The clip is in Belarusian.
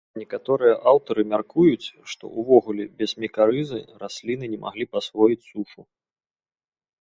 Некаторыя аўтары мяркуюць, што ўвогуле без мікарызы расліны не маглі б асвоіць сушу.